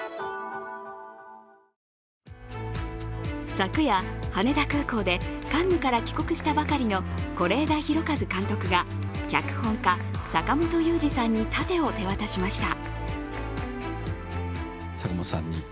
昨夜、羽田空港でカンヌから帰国したばかりの是枝裕和監督が脚本家・坂元裕二さんに盾を手渡しました。